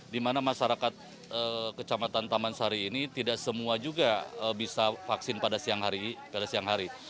di mana masyarakat kecamatan taman sari ini tidak semua juga bisa vaksin pada siang hari